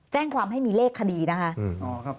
แจ้งความให้มีเลขคดีนะคะ